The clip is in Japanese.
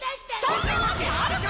そんなわけあるか！！